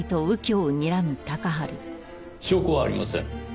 証拠はありません。